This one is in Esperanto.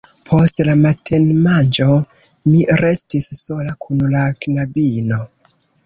Post la matenmanĝo mi restis sola kun la knabino.